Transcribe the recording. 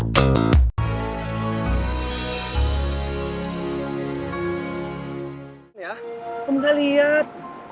kamu gak liat